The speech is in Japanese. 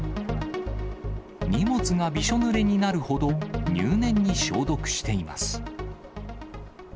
荷物がびしょぬれになるほど、入念に消毒しています。